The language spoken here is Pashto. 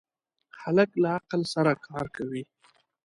هلک له عقل سره کار کوي.